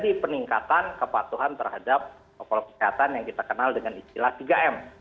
jadi peningkatan kepatuhan terhadap protokol kesehatan yang kita kenal dengan istilah tiga m